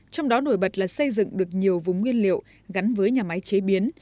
trong đó nổi bật là xây dựng được nhiều vùng nguyên liệu gắn với nhà máy chế biến